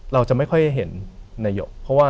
เราจะไม่ค่อยเห็นในหุ้ก